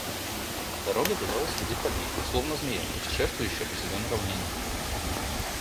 Дорога виляла среди полей, словно змея, путешествующая по зеленой равнине.